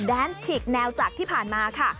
แดนฉีกแนวจากที่ผ่านมาค่ะ